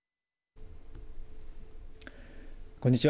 こんにちは。